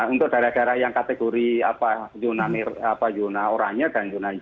untuk daerah daerah yang kategori yuna oranye dan yunani